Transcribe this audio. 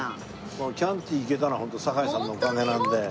もうキャンティ行けたのはホント堺さんのおかげなので。